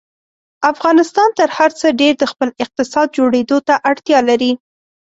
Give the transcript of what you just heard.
افغانستان تر هر څه ډېر د خپل اقتصاد جوړېدو ته اړتیا لري.